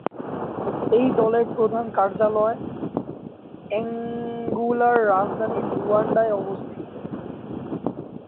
এই দলের প্রধান কার্যালয় অ্যাঙ্গোলার রাজধানী লুয়ান্ডায় অবস্থিত।